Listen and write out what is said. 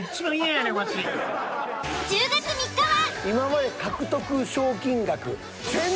１０月３日は。